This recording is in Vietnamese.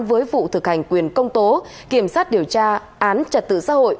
với vụ thực hành quyền công tố kiểm soát điều tra án trật tự xã hội